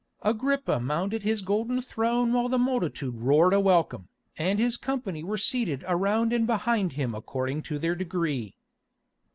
Agrippa mounted his golden throne while the multitude roared a welcome, and his company were seated around and behind him according to their degree.